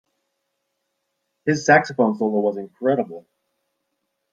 His saxophone solo was incredible.